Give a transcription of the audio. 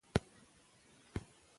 که لمر وي نو تیارې نه پاتیږي.